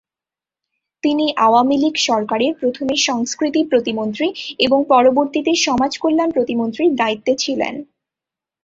তিনি আওয়ামী লীগ সরকারের প্রথমে সংস্কৃতি প্রতিমন্ত্রী ও পরবর্তীতে সমাজকল্যাণ প্রতিমন্ত্রীর দায়িত্বে ছিলেন।